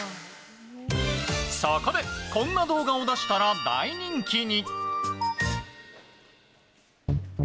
そこでこんな動画を出したら大人気に！